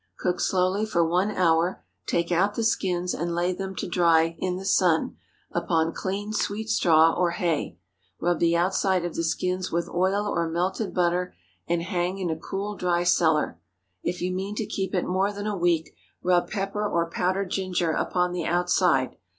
Cook slowly for one hour; take out the skins and lay them to dry in the sun, upon clean, sweet straw or hay. Rub the outside of the skins with oil or melted butter, and hang in a cool, dry cellar. If you mean to keep it more than a week, rub pepper or powdered ginger upon the outside.